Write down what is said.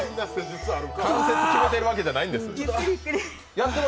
関節きめてるわけじゃないんですよ。